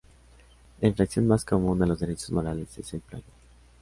La infracción más común a los derechos morales es el plagio.